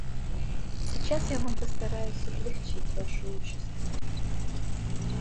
Сейчас я вам постараюсь облегчить вашу участь.